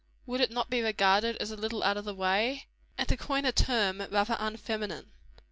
Would it not be regarded as a little out of the way and, to coin a term, as rather unfeminine?